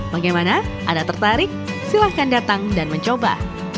bagaimana anda tertarik silahkan datang dan mencoba